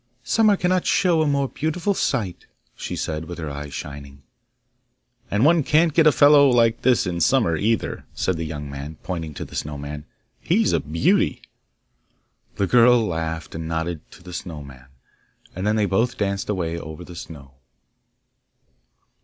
'Summer cannot show a more beautiful sight,' she said, with her eyes shining. 'And one can't get a fellow like this in summer either,' said the young man, pointing to the Snow man. 'He's a beauty!' The girl laughed, and nodded to the Snow man, and then they both danced away over the snow.